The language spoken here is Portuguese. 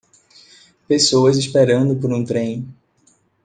Pessoas esperando por um trem.